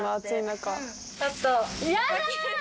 ちょっと。